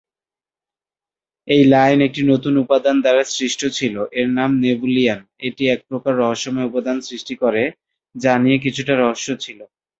এই লাইন একটি নতুন উপাদান দ্বারা সৃষ্ট ছিল, এর নাম নেভুলিয়াম, এটি একপ্রকার রহস্যময় উপাদান সৃষ্টি করে যা নিয়ে কিছুটা রহস্য ছিল।